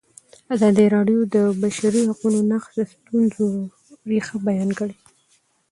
ازادي راډیو د د بشري حقونو نقض د ستونزو رېښه بیان کړې.